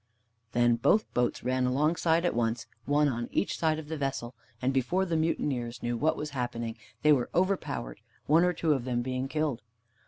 Then both boats ran alongside at once, one on each side of the vessel, and before the mutineers knew what was happening they were overpowered, one or two of them being killed.